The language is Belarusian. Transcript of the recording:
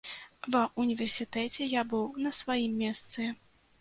Ва ўніверсітэце я быў на сваім месцы.